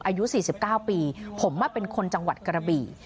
อายุ๔๙ปีผมเป็นคนจังหวัดกระบี่